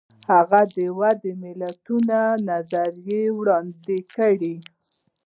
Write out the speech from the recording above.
هغه د دوه ملتونو نظریه وړاندې کړه.